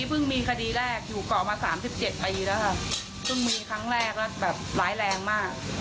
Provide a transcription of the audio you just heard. เพิ่งมีครั้งแรกแล้วแบบหลายแรงมากช็อกกันทั้งเกาะ